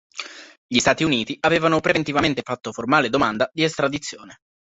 Gli Stati Uniti avevano preventivamente fatto formale domanda di estradizione.